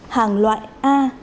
hàng loại a